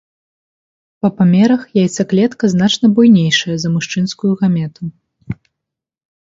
Па памерах яйцаклетка значна буйнейшая за мужчынскую гамету.